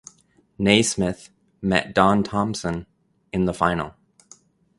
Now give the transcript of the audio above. Naismith met Don Thomson in the final.